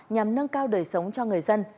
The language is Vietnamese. nhằm nâng cao đời sống cho người dân